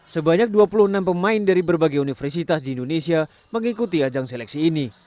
sebanyak dua puluh enam pemain dari berbagai universitas di indonesia mengikuti ajang seleksi ini